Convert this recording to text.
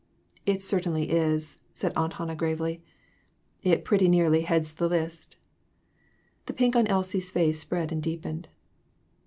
"It certainly is," said Aunt Hannah, gravely; "it pretty nearly heads the list." The pink on Elsie's face spread and deepened.